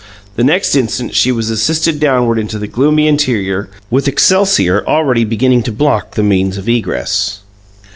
The next instant she was assisted downward into the gloomy interior, with excelsior already beginning to block the means of egress.